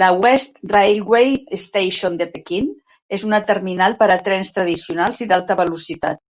La West Railway Station de Pequín és una terminal per a trens "tradicionals" i d'alta velocitat.